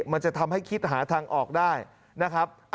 มันจะทำให้คิดหาทางออกได้นะครับ